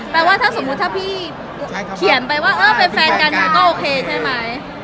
ว่าถ้าสมมุติถ้าพี่เขียนไปว่าเออเป็นแฟนกันก็โอเคใช่ไหม